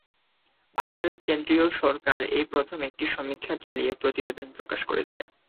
ভারতের কেন্দ্রীয় সরকার এই প্রথম একটি সমীক্ষা চালিয়ে প্রতিবেদন প্রকাশ করেছে।